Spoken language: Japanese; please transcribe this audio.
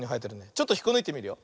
ちょっとひっこぬいてみるよ。